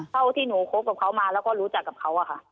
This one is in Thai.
เท่าที่หนูคบกับเขามาแล้วก็รู้จักกับเขาอะค่ะ